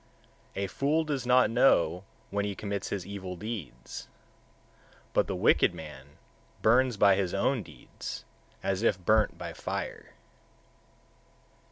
136. A fool does not know when he commits his evil deeds: but the wicked man burns by his own deeds, as if burnt by fire.